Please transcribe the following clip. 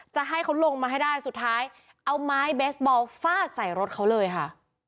จะให้เขาลงมาให้ได้สุดท้ายเอาไม้เบสบอลฟาดใส่รถเขาเลยค่ะ